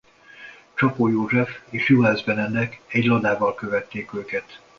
Csapó József és Juhász Benedek egy Ladával követték őket.